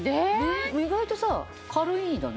意外とさ軽いんだね。